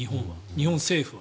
日本政府は。